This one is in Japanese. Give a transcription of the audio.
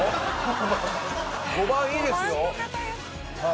５番いいですよ。